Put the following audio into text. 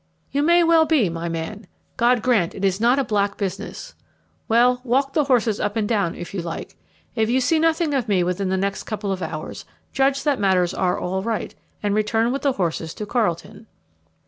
"You may well be, my man. God grant it is not a black business. Well, walk the horses up and down, if you like. If you see nothing of me within the next couple of hours, judge that matters are all right, and return with the horses to Carlton."